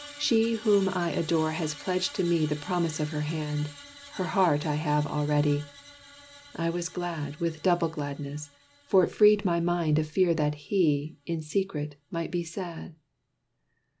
She whom I adore Has pledged to me the promise of her hand; Her heart I have already," I was glad With double gladness, for it freed my mind Of fear that he, in secret, might be sad.